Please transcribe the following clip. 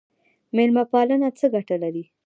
میلمه پالنه څه ګټه لري؟